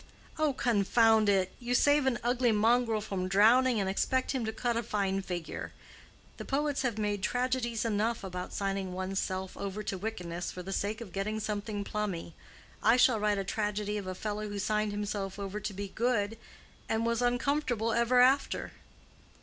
"Oh, confound it! You save an ugly mongrel from drowning, and expect him to cut a fine figure. The poets have made tragedies enough about signing one's self over to wickedness for the sake of getting something plummy; I shall write a tragedy of a fellow who signed himself over to be good, and was uncomfortable ever after."